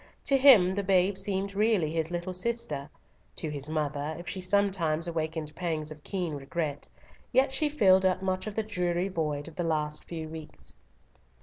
To him the babe seemed really his little sister; to his mother, if she sometimes awakened pangs of keen regret, yet she filled up much of the dreary void of the last few weeks.